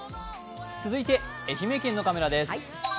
続いて愛媛県のカメラです。